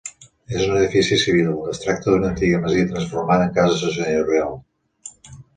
És un edifici civil, es tracta d'una antiga masia transformada en casa senyorial.